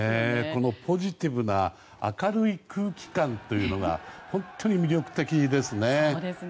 このポジティブな明るい空気感というのが本当に魅力的ですね。